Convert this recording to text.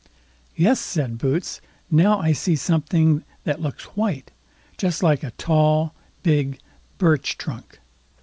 "Yes", said Boots; "now I see something that looks white—just like a tall, big birch trunk."